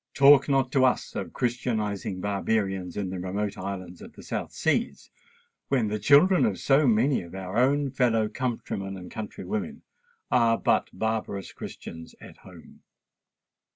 Talk not to us of christianizing Barbarians in the remote islands of the South Seas, when the children of so many of our own fellow countrymen and country women are but barbarous Christians at home!